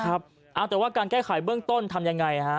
นะครับเอาแต่ว่าการแก้ไขเบื้องต้นทำยังไงฮะ